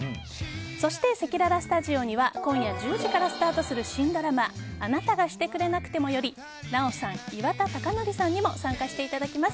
そして、せきららスタジオには今夜１０時からスタートする新ドラマ「あなたがしてくれなくても」より奈緒さん、岩田剛典さんにも参加していただきます。